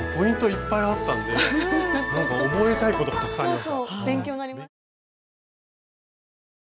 いっぱいあったんで覚えたいことがたくさんありました。